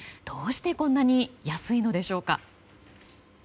どうしてこんなに安いのでしょうか。